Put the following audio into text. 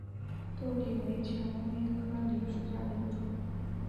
豆梨为蔷薇科梨属下的一个种。